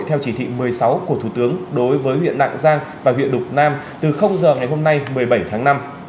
theo chỉ thị một mươi sáu của thủ tướng đối với huyện nạng giang và huyện lục nam từ giờ ngày hôm nay một mươi bảy tháng năm